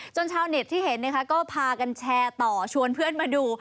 ชาวเน็ตที่เห็นนะคะก็พากันแชร์ต่อชวนเพื่อนมาดู